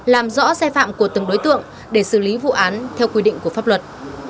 làm rõ sai phạm của từng đối tượng để xử lý vụ án theo quy định của pháp luật